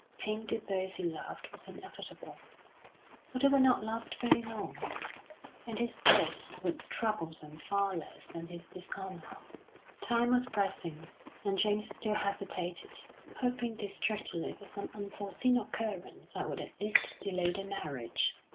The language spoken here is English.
Pain to those he loved was inevitable, but it would not last very long; and his death would trouble them far less than his dishonour. Time was pressing, and James still hesitated, hoping distractedly for some unforeseen occurrence that would at least delay the marriage.